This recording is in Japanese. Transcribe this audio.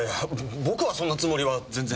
僕はそんなつもりは全然。